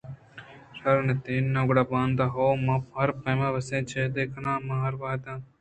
شر اِنت ناں؟ گڑا باندا ہئو من ہر پیم ءَ وسیں جہد کناں من ہر وہد ءَ